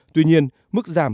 tuy nhiên mức giảm